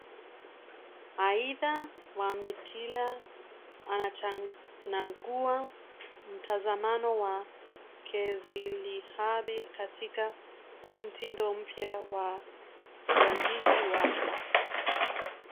Aidha, Wamitila anachanganua mtazamo wa Kezilahabi katika huu mtindo mpya wa uandishi wake